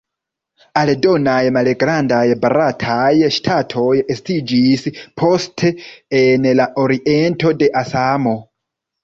Aldonaj malgrandaj barataj ŝtatoj estiĝis poste en la oriento de Asamo.